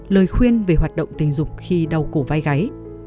lời khuyên về hoạt động tình dục khi đau cổ vai gáy